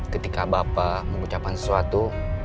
kembali ke rumah saya